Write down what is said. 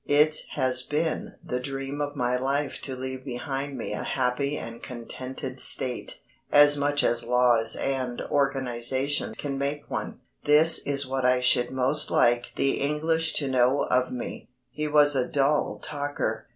It has been the dream of my life to leave behind me a happy and contented State as much as laws and organisation can make one. This is what I should most like the English to know of me." He was a dull talker.